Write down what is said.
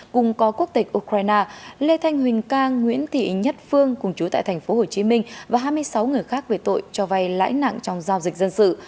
cùng có quốc tịch ukraine lê thanh huỳnh cang nguyễn thị nhất phương cùng chú tại tp hcm và hai mươi sáu người khác về tội cho vay lãi nặng trong giao dịch dân sự